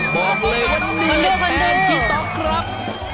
บอกเลยว่าต้องมีแค่นี้ต่อครับ